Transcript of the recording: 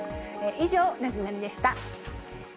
以上、ナゼナニっ？でした。